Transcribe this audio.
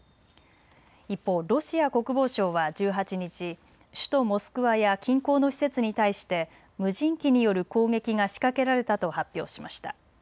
一方、ロシア国防省は１８日、首都モスクワや近郊の施設に対して無人機による攻撃が仕掛けられたと発表しました。